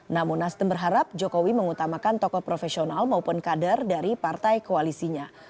namun nasdem berharap jokowi mengutamakan tokoh profesional maupun kader dari partai koalisinya